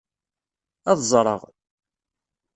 Ad ẓreɣ.